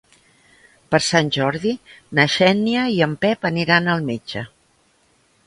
Per Sant Jordi na Xènia i en Pep aniran al metge.